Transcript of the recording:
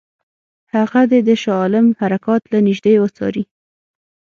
هغه دې د شاه عالم حرکات له نیژدې وڅاري.